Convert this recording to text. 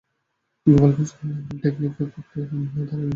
গোপালগঞ্জ-খুলনা বিল টেকটনিক প্রক্রিয়া দ্বারা নিয়ন্ত্রিত এবং ক্রমাগত অবনমনশীল।